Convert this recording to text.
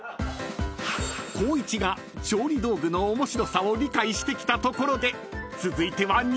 ［光一が調理道具の面白さを理解してきたところで］